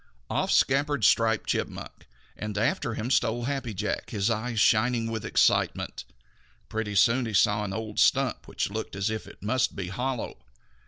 Off scampered Striped Chipmunk, and after him stole Happy Jack, his eyes shining with excitement. Pretty soon he saw an old stump which looked as if it must be hollow.